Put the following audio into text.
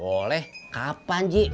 boleh kapan ji